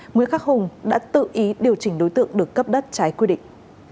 nguyễn khắc hùng đã tự ý điều chỉnh đối tượng được cấp đất trái quy định